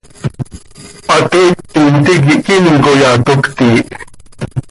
¿Hateiictim tiquih quíncoya, toc cötiih?